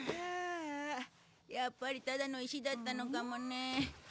やっぱりただの石だったのかもね。